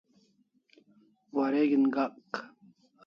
Wareg'in gak